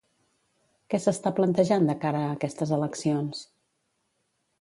Què s'està plantejant de cara a aquestes eleccions?